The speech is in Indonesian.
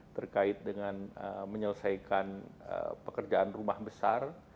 terkait dengan menyelesaikan pekerjaan rumah besar